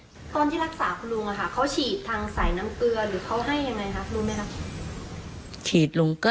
ตอนที่รักษาคุณลุงเขาฉีดทางสายน้ำเกลือหรือเขาให้ยังไงคะรู้ไหมคะ